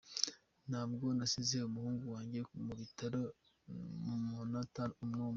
Ntabwo nasize umuhungu wanjye mu bitaro n’umunota n’umwe.